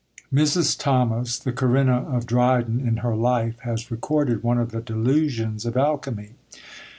Mrs. Thomas, the Corinna of Dryden, in her Life, has recorded one of the delusions of alchymy.